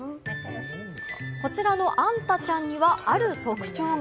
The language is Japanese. こちらのあんたちゃんには、ある特徴が。